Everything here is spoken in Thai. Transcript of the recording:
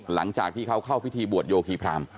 หลังจากที่เขาเข้าพิธีบวชโยคีพราม